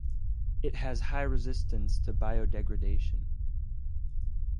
It has high resistance to biodegradation.